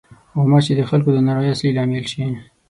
غوماشې د خلکو د ناروغۍ اصلي لامل شي.